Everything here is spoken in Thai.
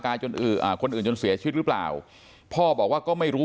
คนอื่นจนเสียชีวิตหรือเปล่าพ่อบอกว่าก็ไม่รู้